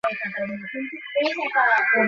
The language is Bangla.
উদ্বোধনী ব্যাটসম্যান হিসেবে তিনি বেশ সফলতা লাভ করেন।